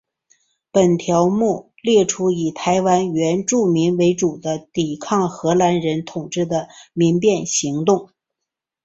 本条目列出以台湾原住民为主的抵抗荷兰人统治的民变行动。